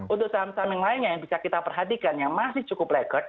untuk saham saham yang lainnya yang bisa kita perhatikan yang masih cukup lagor